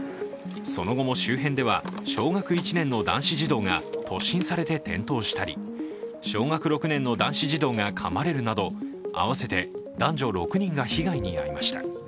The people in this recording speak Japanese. その後も周辺では小学１年の男子児童が突進されて転倒したり小学６年の男子児童がかまれるなど合わせて男女６人が被害に遭いました。